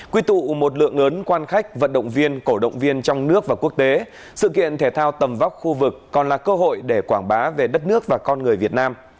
quy tụ một lượng lớn quan khách vận động viên cổ động viên trong nước và quốc tế sự kiện thể thao tầm vóc khu vực còn là cơ hội để quảng bá về đất nước và con người việt nam